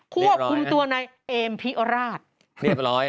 ควบคุมตัวในเอ็มพิอราช